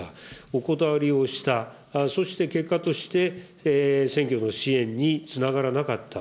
お断りをした、そして、結果として選挙の支援につながらなかった。